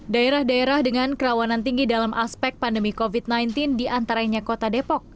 daerah daerah dengan kerawanan tinggi dalam aspek pandemi covid sembilan belas diantaranya kota depok